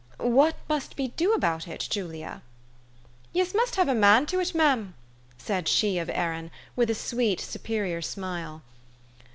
What must we do about it, Julia?" " Yez must have a man to it, mem," said she of Erin, with a sweet superior smile.